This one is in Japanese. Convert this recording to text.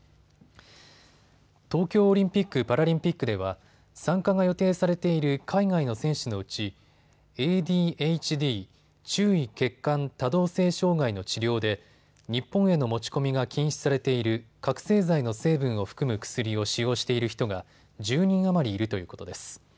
東京オリンピック・パラリンピックでは参加が予定されている海外の選手のうちＡＤＨＤ・注意欠陥多動性障害の治療で日本への持ち込みが禁止されている覚醒剤の成分を含む薬を使用している人が１０人余りいるということです。